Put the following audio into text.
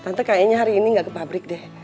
tante kayaknya hari ini nggak ke pabrik deh